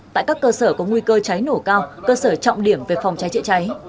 tại các cơ sở có nguy cơ cháy nổ cao cơ sở trọng điểm về phòng cháy chữa cháy